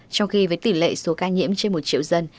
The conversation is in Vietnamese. trong khi với tỷ lệ số ca nhiễm trên một triệu dân